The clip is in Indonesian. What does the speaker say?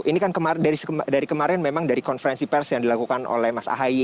ini kan dari kemarin memang dari konferensi pers yang dilakukan oleh mas ahy